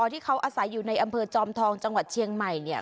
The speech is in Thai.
ที่เขาอาศัยอยู่ในอำเภอจอมทองจังหวัดเชียงใหม่เนี่ย